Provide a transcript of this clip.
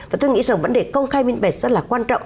và tôi nghĩ rằng vấn đề công khai minh bạch rất là quan trọng